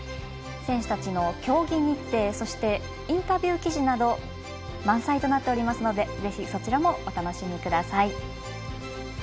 選手たちの競技日程インタビュー記事など満載となっておりますのでぜひそちらもお楽しみください。